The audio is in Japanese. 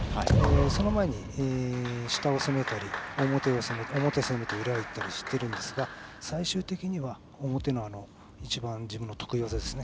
その前に、下を攻めたり表を攻めて裏をいったりしているんですが最終的には表の一番自分の得意技ですね。